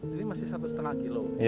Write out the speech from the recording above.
ini masih satu lima kilo